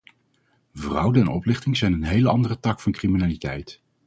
Fraude en oplichting zijn een heel andere tak van criminaliteit.